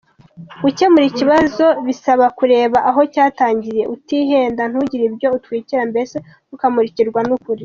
Gukemura ikibazo bisaba kureba aho cyatangiriye utihenda, ntugire ibyo utwikira, mbese ukamurikirwa n’ukuri.